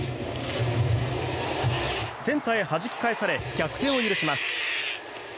センターへはじき返され逆転を許します。